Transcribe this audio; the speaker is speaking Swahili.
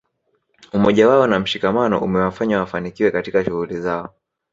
Umoja wao na mshikamano umewafanya wafanikiwe katika shughuli zao